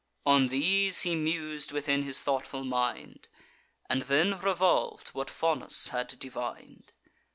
On these he mus'd within his thoughtful mind, And then revolv'd what Faunus had divin'd.